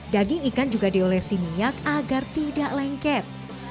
daging ikan juga diolesi minyak agar tidak lengket